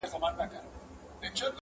په دربار کي یوه لویه هنګامه وه!!